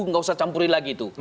tidak usah campurin lagi